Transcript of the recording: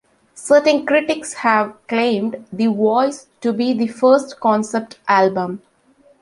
Certain critics have claimed "The Voice" to be the first concept album.